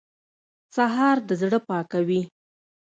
سهار د زړه پاکوي.